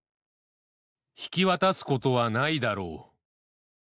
引き渡すことはないだろう。